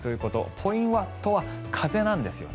ポイントは風なんですよね。